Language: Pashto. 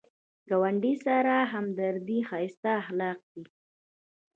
ګاونډي سره همدردي ښایسته اخلاق دي